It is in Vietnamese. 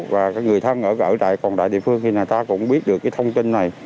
và các người thân ở tại phòng đại địa phương thì người ta cũng biết được cái thông tin này